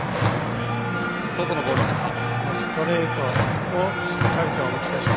外のボールでした。